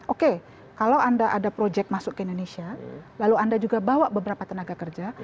oke kalau anda ada proyek masuk ke indonesia lalu anda juga bawa beberapa tenaga kerja